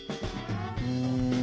うん。